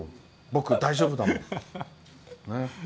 僕、大丈夫だもん。